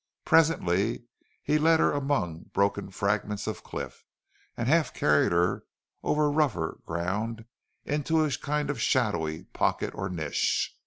Presently he led her among broken fragments of cliff, and half carried her over rougher ground, into a kind of shadowy pocket or niche.